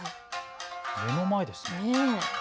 目の前ですね。